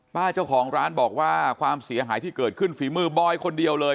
เจ้าของร้านบอกว่าความเสียหายที่เกิดขึ้นฝีมือบอยคนเดียวเลย